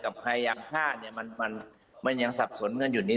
กับพยายามฆ่ามันมันมันยังสับสนเงื่อนอยู่นี้